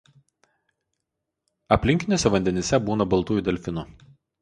Aplinkiniuose vandenyse būna baltųjų delfinų.